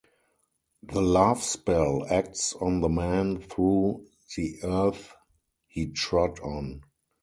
The love-spell acts on the man through the earth he trod on.